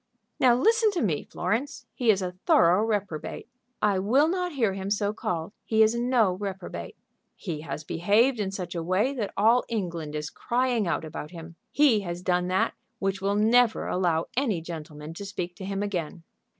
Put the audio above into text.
"Now, listen to me, Florence. He is a thorough reprobate." "I will not hear him so called. He is no reprobate." "He has behaved in such a way that all England is crying out about him. He has done that which will never allow any gentleman to speak to him again."